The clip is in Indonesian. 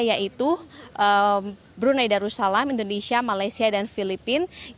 yaitu brunei darussalam indonesia malaysia dan filipina